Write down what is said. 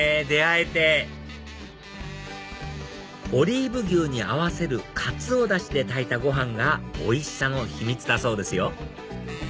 出会えてオリーブ牛に合わせるかつおダシで炊いたご飯がおいしさの秘密だそうですよ